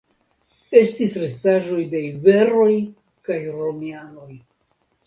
Estis restaĵoj de iberoj kaj romianoj.